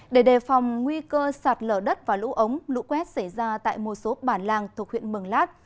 để đề phòng nguy cơ sạt lở đất và lũ ống lũ quét xảy ra tại một số bản làng thuộc huyện mường lát